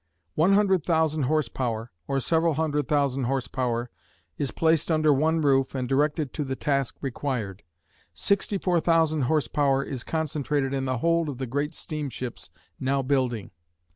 One hundred thousand horse power, or several hundred thousand horse power, is placed under one roof and directed to the task required. Sixty four thousand horse power is concentrated in the hold of the great steamships now building.